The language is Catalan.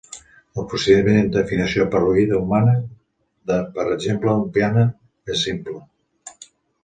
El procediment d'afinació per oïda humana de, per exemple, un piano és simple.